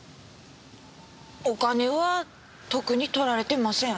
お金は特に取られてません。